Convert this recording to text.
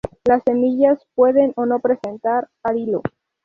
Las semillas pueden o no presentar arilo.